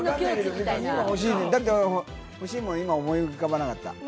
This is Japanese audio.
だって欲しいもの、今、思い浮かばなかった。